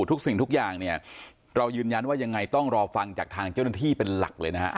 ทุกสิ่งทุกอย่างเนี่ยเรายืนยันว่ายังไงต้องรอฟังจากทางเจ้าหน้าที่เป็นหลักเลยนะฮะ